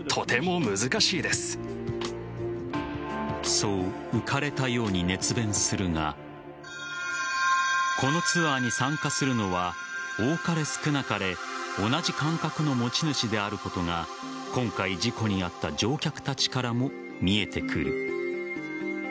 そう浮かれたように熱弁するがこのツアーに参加するのは多かれ少なかれ同じ感覚の持ち主であることが今回事故に遭った乗客たちからも見えてくる。